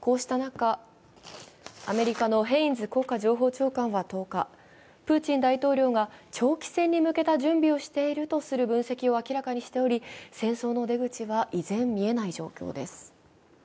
こうした中、アメリカのヘインズ国家情報長官は１０日プーチン大統領が長期戦に向けた準備をしているとする分析を明らかにしており、戦争の出口は依然、見えない状況です。